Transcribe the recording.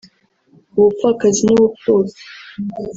ubupfakazi n’ubupfubyi